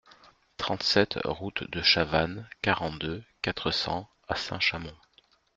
trente-sept route de Chavanne, quarante-deux, quatre cents à Saint-Chamond